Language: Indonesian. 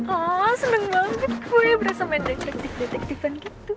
awww seneng banget gue berasa main detektif detektifan gitu